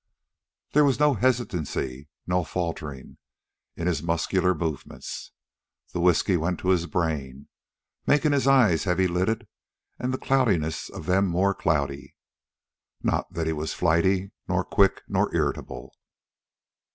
There was no hesitancy, no faltering, in his muscular movements. The whisky went to his brain, making his eyes heavy lidded and the cloudiness of them more cloudy. Not that he was flighty, nor quick, nor irritable.